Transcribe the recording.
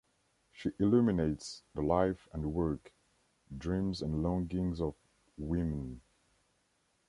She illuminates the life and work, dreams and longings of women.